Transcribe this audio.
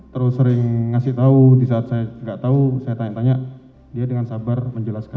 terus sering ngasih tau disaat saya gak tau saya tanya tanya dia dengan sabar menjelaskan